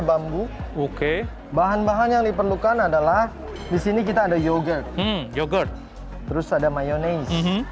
bambu oke bahan bahan yang diperlukan adalah di sini kita ada yogurt terus ada mayonnaise